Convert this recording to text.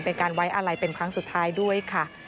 เป็นการไว้อะไรเป็นครั้งสุดท้ายด้วยค่ะ